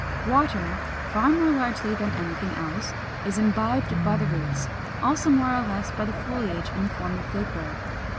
Water, far more largely than anything else, is imbibed by the roots; also more or less by the foliage in the form of vapor.